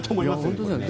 本当ですね。